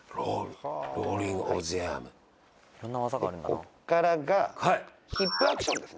こっからがヒップ・アクションですね。